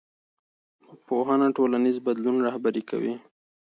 پوهنه ټولنیز بدلون رهبري کوي